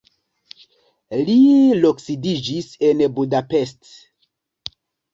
Li loksidiĝis en Budapest.